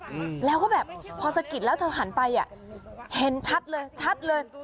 อืมแล้วก็แบบพอสะกิดแล้วเธอหันไปอ่ะเห็นชัดเลยชัดเลย